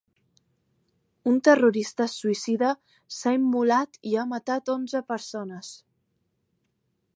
Un terrorista suïcida s’ha immolat i ha matat onze persones.